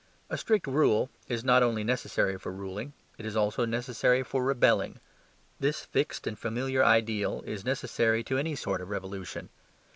A strict rule is not only necessary for ruling; it is also necessary for rebelling. This fixed and familiar ideal is necessary to any sort of revolution.